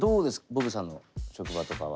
ボヴェさんの職場とかは。